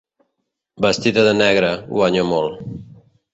Vestida de negre, guanya molt.